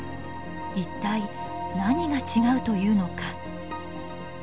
一体何が違うというのか。